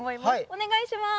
お願いします